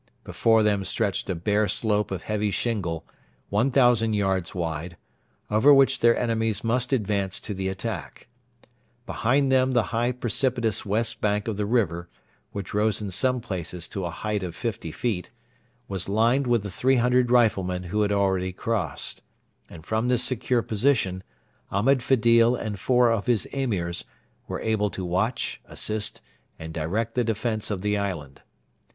Before them stretched a bare slope of heavy shingle, 1,000 yards wide, over which their enemies must advance to the attack, Behind them the high precipitous west bank of the river, which rose in some places to a height of fifty feet, was lined with the 300 riflemen who had already crossed; and from this secure position Ahmed Fedil and four of his Emirs were able to watch, assist, and direct the defence of the island.